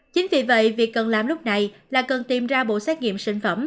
chính vì vậy việc cần làm lúc này là cần tìm ra bộ xét nghiệm sinh phẩm